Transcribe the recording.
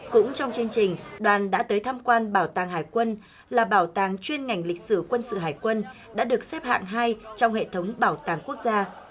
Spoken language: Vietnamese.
cũng trong chương trình đoàn đã tới tham quan bảo tàng hải quân là bảo tàng chuyên ngành lịch sử quân sự hải quân đã được xếp hạng hai trong hệ thống bảo tàng quốc gia